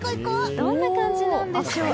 どんな感じなんでしょう。